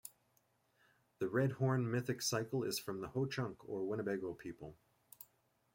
The Red Horn Mythic Cycle is from the Ho Chunk, or Winnebago people.